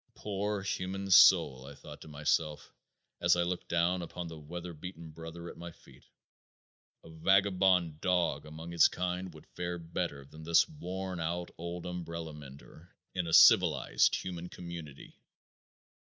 Poor human soul, I thought to myself, as I looked down upon the weatherbeaten brother at my feet! A vagabond dog among his kind would fare better than this worn out old umbrella mender in a civilized human community.